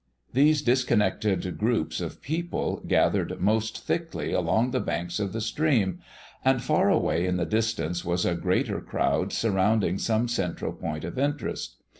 These disconnected groups of people gathered most thickly along the banks of the stream, and far away in the distance was a greater crowd surrounding some central point of interest.